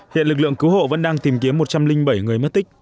hiện lực lượng cứu hộ vẫn đang tìm kiếm một trăm linh bảy người mất tích